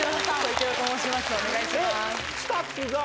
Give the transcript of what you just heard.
お願いします。